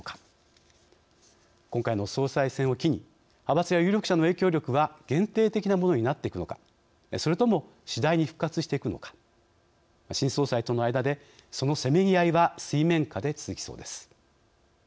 今回の総裁選を機に派閥や有力者の影響力は限定的なものになっていくのかそれとも次第に復活していくのか新総裁との間でそのせめぎ合いは水面下で続きそうです。